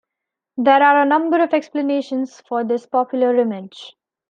There are a number of explanations for this popular image.